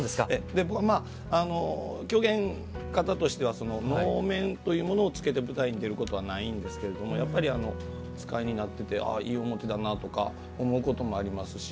僕、狂言方としては能面というものをつけて舞台に出ることはないんですけどやっぱり、お使いになってていい面だなとか思うこともありますし。